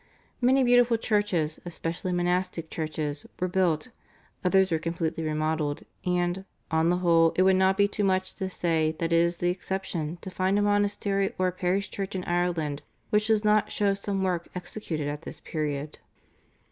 Many beautiful churches, especially monastic churches, were built, others were completely remodelled, and "on the whole it would not be too much to say that it is the exception to find a monastery or a parish church in Ireland which does not show some work executed at this period."